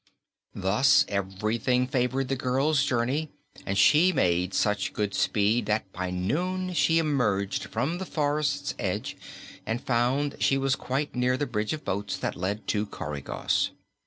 Thus everything favored the girl's journey and she made such good speed that by noon she emerged from the forest's edge and found she was quite near to the bridge of boats that led to Coregos.